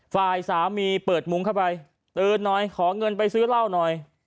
ฝ่ายสามีเปิดมุ้งเข้าไปตื่นหน่อยขอเงินไปซื้อเหล้าหน่อย